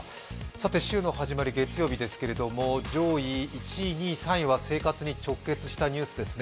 週の始まり、月曜日ですが上位１位、２位、３位は生活に直結したニュースですね。